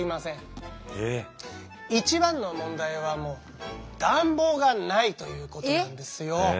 一番の問題はもう暖房がないということなんですよ。